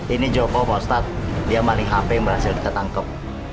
ini joko pak ustadz dia maling hp yang berhasil ditangkap